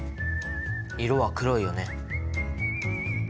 色は黒いよね。